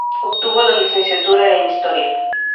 Obtuvo la licenciatura en Historia.